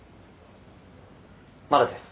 まだです。